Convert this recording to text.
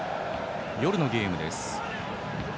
夜のゲームです。